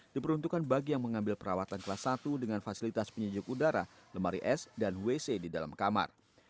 diperuntukkan bagi yang mengambil perawatan kelas satu dengan fasilitas penyejuk udara lemari es dan wc di dalam kamar